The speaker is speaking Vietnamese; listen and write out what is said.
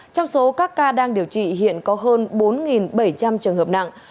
trong số các ca đang điều trị hiện có hơn bốn bảy trăm linh trường hợp nặng